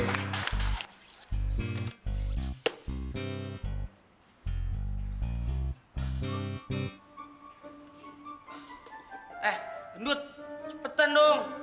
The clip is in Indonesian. eh gendut cepetan dong